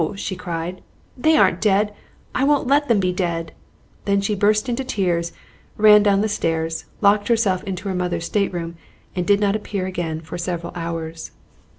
she cried; "they aren't dead! I won't let them be dead!" Then she burst into tears, ran down the stairs, locked herself into her mother's stateroom, and did not appear again for several hours.